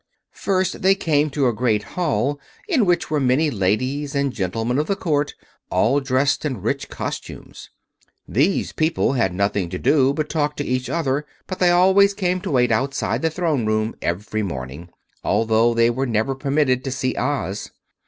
First they came to a great hall in which were many ladies and gentlemen of the court, all dressed in rich costumes. These people had nothing to do but talk to each other, but they always came to wait outside the Throne Room every morning, although they were never permitted to see Oz.